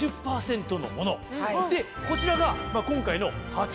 こちらが今回の。